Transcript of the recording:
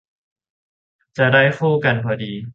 จะได้คู่กันพอดี